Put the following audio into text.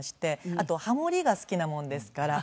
あとハモリが好きなもんですからそれで。